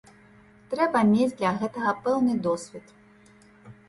Трэба мець для гэтага пэўны досвед.